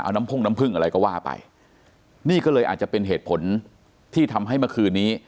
เอาน้ำพ่งน้ำผึ้งอะไรก็ว่าไปนี่ก็เลยอาจจะเป็นเหตุผลที่ทำให้เมื่อคืนนี้